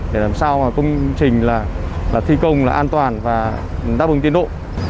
để làm sao công trình là thi công là an toàn và đáp ứng tiến độ